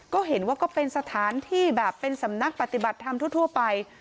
ก็เห็นว่าก็เป็นสถานที่แบบเป็นสำนักปฏิบัติธรรมทั่วไป